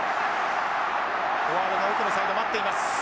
フォワードが奥のサイドを待っています。